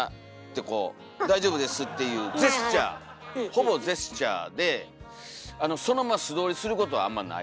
ほぼジェスチャーでそのまま素通りすることはあんまないです。